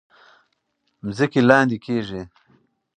ځمکې لاندې کیږي.